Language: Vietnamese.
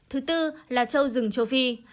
thứ tư là trâu rừng châu phi